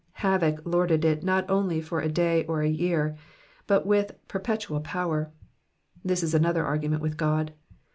Havoc lorded it not only for a day or a year, but with perpetual power. This is another argument with God.